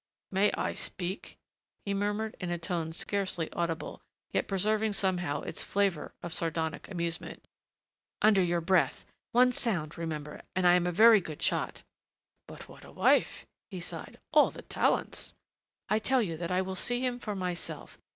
"May I speak?" he murmured, in a tone scarcely audible, yet preserving somehow its flavor of sardonic amusement. "Under your breath. One sound, remember and I am a very good shot." "But what a wife," he sighed. "All the talents " "I tell you that I will see him for myself.